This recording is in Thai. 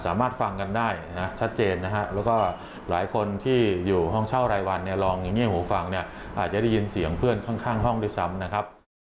อาจจะได้ยินเสียงเพื่อนข้างห้องด้วยซ้ำนะครับ